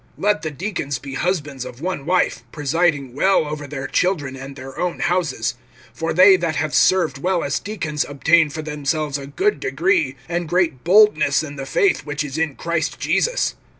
(12)Let the deacons be husbands of one wife, presiding well over their children and their own houses. (13)For they that have served well as deacons obtain for themselves a good degree[3:13], and great boldness in the faith which is in Christ Jesus.